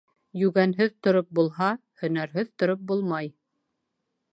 Йүгәнһеҙ тороп булһа, һөнәрһеҙ тороп булмай.